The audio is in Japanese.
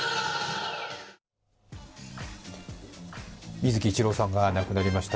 水木一郎さんが亡くなりました。